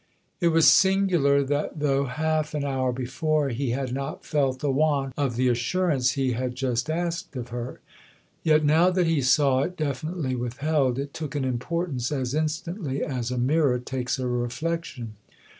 XX IT was singular that though half an hour before he had not felt the want of the assurance he had just asked of her, yet now that he saw it definitely with held it took an importance as instantly as a mirror takes a reflection.